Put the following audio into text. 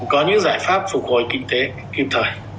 có những giải pháp phục hồi kinh tế kịp thời